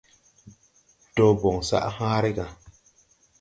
Dɔɔ bon sag hããre ga.